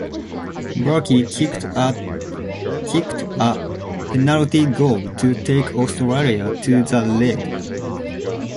Burke kicked a penalty goal to take Australia to the lead.